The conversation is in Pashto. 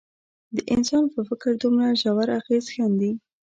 د انسان په فکر دومره ژور اغېز ښندي.